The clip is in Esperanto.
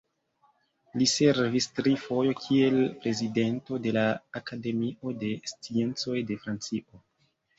Li servis tri foje kiel prezidento de la Akademio de Sciencoj de Francio.